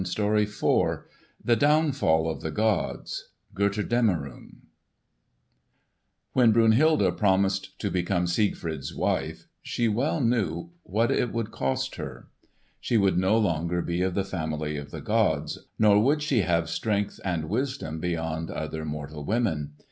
*PART IV* *THE DOWNFALL OF THE GODS* When Brunhilde promised to become Siegfried's wife she well knew what it would cost her. She would no longer be of the family of the gods, nor would she have strength and wisdom beyond other mortal women.